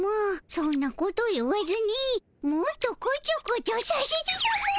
そんなこと言わずにもっとこちょこちょさせてたも。